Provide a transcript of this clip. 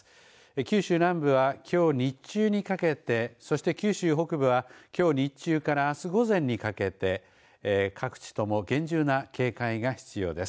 九州南部は、きょう日中にかけてそして、九州北部はきょう日中からあす午前にかけて各地とも厳重な警戒が必要です。